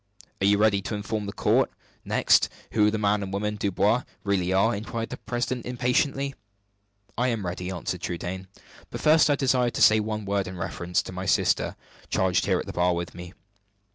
"Are you ready to inform the court, next, who the man and woman Dubois really are?" inquired the president, impatiently. "I am ready," answered Trudaine. "But first I desire to say one word in reference to my sister, charged here at the bar with me."